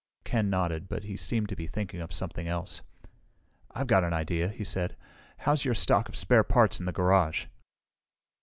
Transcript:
Ken nodded, but he seemed to be thinking of something else. "I've had an idea," he said. "How's your stock of spare parts in the garage?"